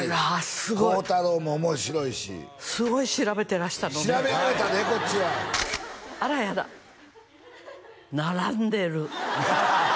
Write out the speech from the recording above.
すごい幸太郎も面白いしすごい調べてらしたのね調べ上げたでこっちはあらやだ並んでる